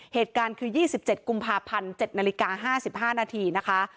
เหตุการณ์คือ๒๗กุมภาพันธ์๗นาฬิกา๕๕นาทีนะคะ